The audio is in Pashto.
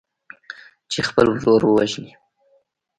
چې خپل ورور ووژني.